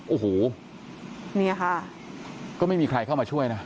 โอ้โหก็ไม่มีใครเข้ามาช่วยนะ